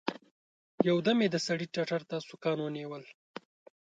يو دم يې د سړي ټتر ته سوکان ونيول.